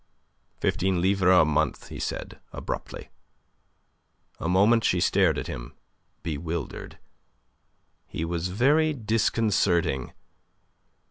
"Fifteen livres a month," said he, abruptly. A moment she stared at him bewildered. He was very disconcerting.